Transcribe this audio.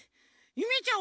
ゆめちゃん。